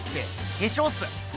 化粧っす。